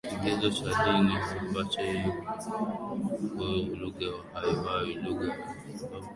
Kigezo cha dini nacho hakikubaliki lugha haiwi lugha kwa sababu ya imani Hata hivyo